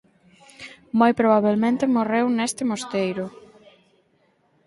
Moi probabelmente morreu neste mosteiro.